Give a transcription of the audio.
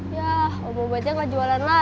ya om obatnya gak jualan lagi